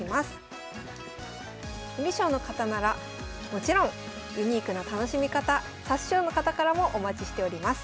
観る将の方ならもちろんユニークな楽しみ方指す将の方からもお待ちしております。